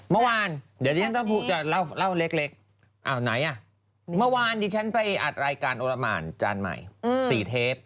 เมื่อวานเดี๋ยวที่ฉันต้องจะเล่าเล็กอ้าวไหนอ่ะเมื่อวานดิฉันไปอัดรายการโอละหมานจานใหม่๔เทป